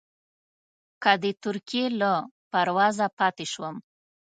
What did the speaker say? که د ترکیې له پروازه پاتې شوم.